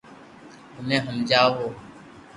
مني ھمجاوُ